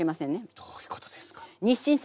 どういうことですか？